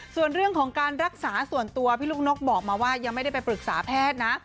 ส่วนเรื่องของการรักษาส่วนตัวพี่ลูกนกบอกมาว่ายังไม่ได้ไปปรึกษาแพทย์นะ